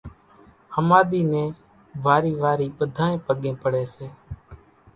ۿماۮِي نين وارِي وارِي ٻڌانئين پڳين پڙي سي